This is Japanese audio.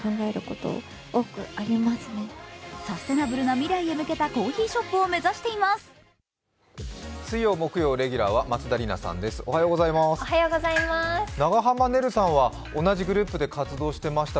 サステナブルな未来へ向けたコーヒーショップを目指しています。